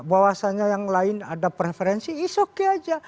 bahwasannya yang lain ada preferensi is okay aja